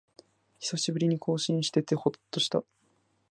久しぶりに更新しててほっとした